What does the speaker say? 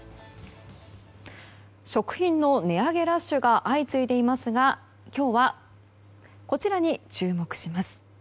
食品の値上げラッシュが相次いでいますが今日は、こちらに注目します。